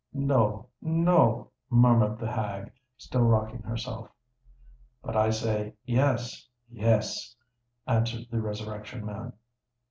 "No—no," murmured the hag, still rocking herself. "But I say yes—yes," answered the Resurrection Man.